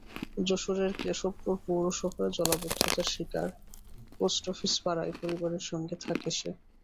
যশোরের কেশবপুর পৌর শহরে জলাবদ্ধতার শিকার পোস্ট অফিসপাড়ায় পরিবারের সঙ্গে থাকে সে।